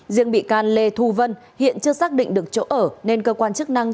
riêng bị can lê thu vân hiện chưa xác định được chỗ ở nên cơ quan chức năng